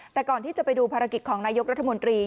แต่ก่อนที่จะไปดูภารกิจของนายกรัฐมนตรี